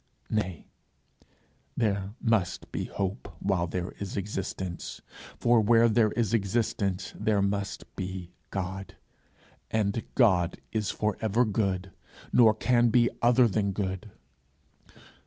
Nay, there must be hope while there is existence; for where there is existence there must be God; and God is for ever good, nor can be other than good.